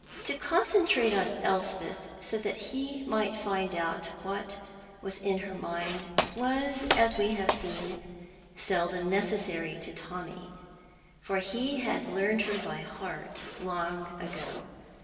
To concentrate on Elspeth so that he might find out what was in her mind was, as we have seen, seldom necessary to Tommy; for he had learned her by heart long ago.